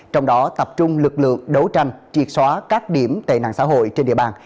trong đó tập trung lực lượng đấu tranh triệt xóa các điểm tệ nạn xã hội trên địa bàn